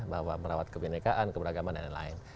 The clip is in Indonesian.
bahwa merawat kebenekaan keberagaman dan lain lain